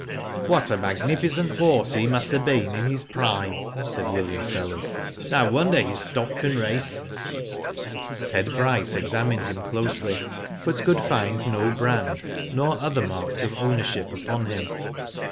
What a magnificent horse he hiust have been in his prime," said William Sellers. *' No wonder his stock can race." Ted Bryce examined him closely, but could find no brand, nor other marks of ownership, upon him.